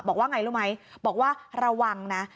บอกว่าไงรู้ไหมบอกว่าระวังนะ